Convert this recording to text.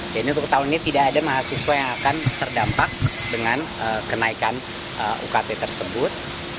jadi untuk tahun ini tidak ada mahasiswa yang akan terdampak dengan kenaikan ukt tersebut